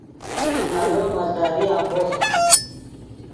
آلو مالداری امبوخ